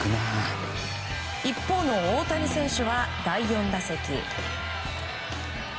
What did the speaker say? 一方の大谷選手は第４打席。